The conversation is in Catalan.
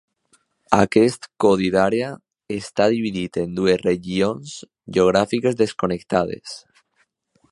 Aquest codi d'àrea està dividit en dues regions geogràfiques desconnectades.